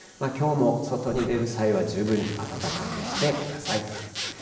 きょうも外に出る際は、十分に暖かくしてください。